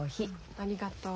ありがとう。